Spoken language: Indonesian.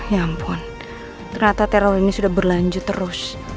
ya ampun ternyata teror ini sudah berlanjut terus